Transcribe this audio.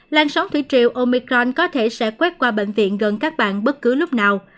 làn sóng thủy triệu omicron có thể sẽ quét qua bệnh viện gần các bạn bất cứ lúc nào